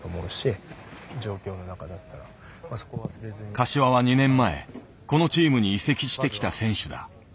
柏は２年前このチームに移籍してきた選手だ。